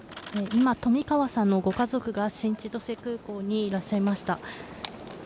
今、冨川さんのご家族が新千歳空港にいらっしゃいました。